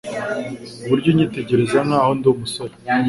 Uburyo unyitegereza nkaho ndi umusore